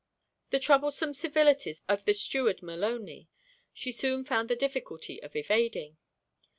The troublesome civilities of the steward Maloney, she soon found the difficulty of evading.